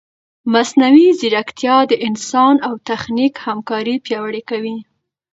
مصنوعي ځیرکتیا د انسان او تخنیک همکاري پیاوړې کوي.